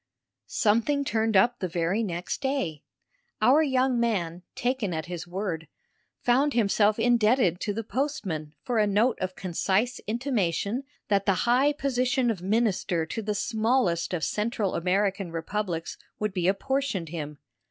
Something turned up the very next day: our young man, taken at his word, found himself indebted to the postman for a note of concise intimation that the high position of minister to the smallest of Central American republics would be apportioned him.